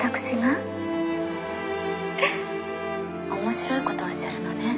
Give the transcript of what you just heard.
面白いことをおっしゃるのね。